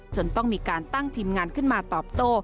จนต้องมีการตั้งทีมงานขึ้นมาตอบโต้